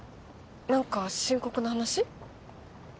何か深刻な話？